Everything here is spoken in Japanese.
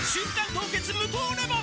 凍結無糖レモン」